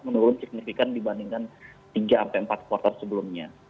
menurun signifikan dibandingkan tiga empat kuartal sebelumnya